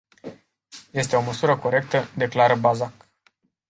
Este o măsură corectă declară Bazac.